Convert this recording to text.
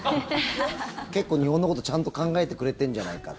結構、日本のこと、ちゃんと考えてくれてんじゃないか。